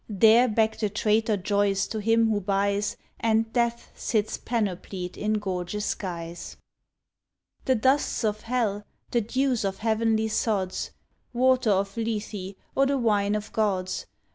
There beck the traitor joys to him who buys, And Death sits panoplied in gorgeous guise. The dusts of hell, the dews of heavenly sods, Water of Lethe or the wine of gods.